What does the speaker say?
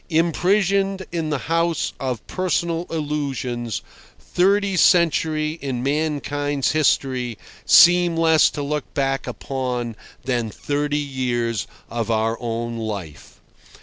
Imprisoned in the house of personal illusions, thirty centuries in mankind's history seem less to look back upon than thirty years of our own life.